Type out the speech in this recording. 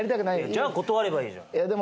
じゃあ断ればいいじゃん。